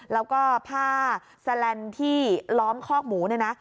แล้วก็ผ้าแซลนที่ล้อมข้อกหมูนะ